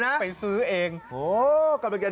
อะไรนะ